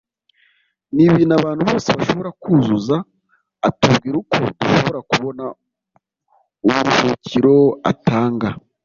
ni ibintu abantu bose bashobora kuzuza atubwira uko dushobora kubona uburuhukiro atanga